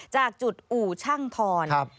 จากจุดอู่ชั่งถอน